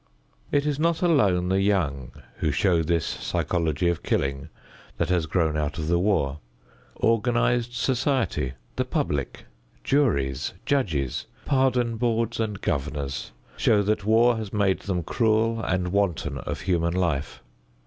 It is not alone the young who show this psychology of killing that has grown out of the war. Organized society, the public, juries, judges, pardon boards and governors, show that war has made them cruel and wanton of human life.